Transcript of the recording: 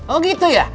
oh gitu ya